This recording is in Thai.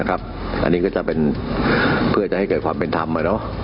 อันนี้ก็จะเป็นเพื่อจะให้เกิดความเป็นธรรม